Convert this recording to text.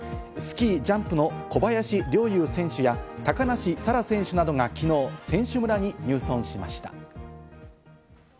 スキージャンプの小林陵侑選手や高梨沙羅選手などが昨日、選手村に入村しました。